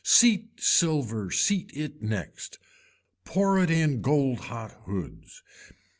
Seat silver, seat it next. Poor it in gold hot hoods.